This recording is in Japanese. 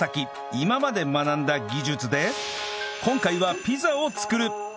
今まで学んだ技術で今回はピザを作る！